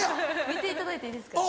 見ていただいていいですか？